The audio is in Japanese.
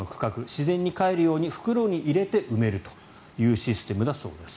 自然にかえるように袋に入れて埋めるというシステムだそうです。